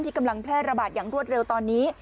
กำลังแพร่ระบาดอย่างรวดเร็วตอนนี้